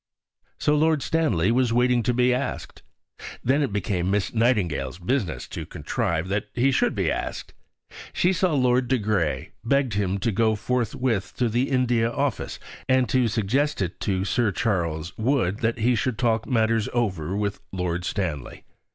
So Lord Stanley was waiting to be asked. Then it became Miss Nightingale's business to contrive that he should be asked. She saw Lord de Grey, begged him to go forthwith to the India Office, and to suggest to Sir Charles Wood that he should talk matters over with Lord Stanley.